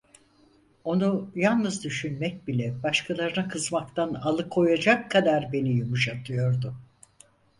Onu yalnız düşünmek bile başkalarına kızmaktan alıkoyacak kadar beni yumuşatıyordu.